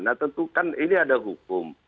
nah tentu kan ini ada hukum